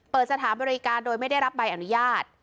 เปิดสถานบริการโดยไม่ได้รับใบอนุญาต